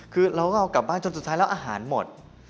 คือเราก็เอากลับบ้านจนสุดท้ายแล้วอาหารหมด